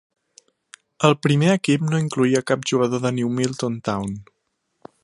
El primer equip no incloïa cap jugador de New Milton Town.